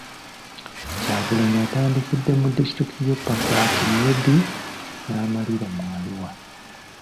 Kyagulanyi atandikidde mu disitulikiti y'e Pakwach, Nebbi n'amalira mu Arua .